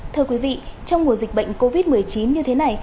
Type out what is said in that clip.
thưa quý vị trong mùa dịch bệnh covid một mươi chín như thế này